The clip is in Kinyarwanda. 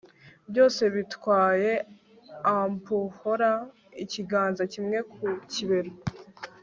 Byose bitwaye amphora ikiganza kimwe ku kibero